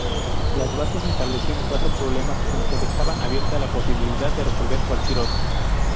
Las bases establecían cuatro problemas, aunque dejaban abierta la posibilidad de resolver cualquier otro.